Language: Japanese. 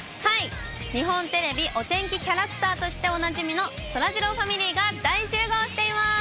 日本テレビお天気キャラクターとしておなじみのそらジローファミリーが大集合しています。